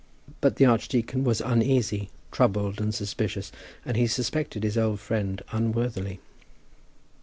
But the archdeacon was uneasy, troubled, and suspicious; and he suspected his old friend unworthily.